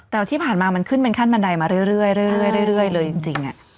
แต่ที่ผ่านมามันขึ้นเป็นขั้นบันไดมาเรื่อยเลยจริง